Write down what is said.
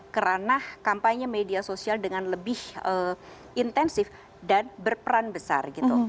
karena kampanye media sosial dengan lebih intensif dan berperan besar gitu